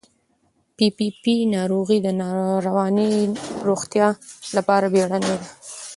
پي پي پي ناروغي د رواني روغتیا لپاره بیړنۍ ده.